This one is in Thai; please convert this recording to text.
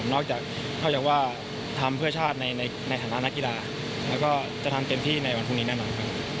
นอกจากเข้าใจว่าทำเพื่อชาติในฐานะนักกีฬาแล้วก็จะทำเต็มที่ในวันพรุ่งนี้แน่นอนครับ